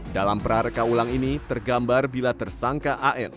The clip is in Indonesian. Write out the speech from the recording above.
dalam perar kaulang ini tergambar bila tersangka an